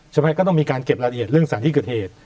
ก็ต้องมีการเก็บรายละเอียดเรื่องสถานที่เกิดเหตุ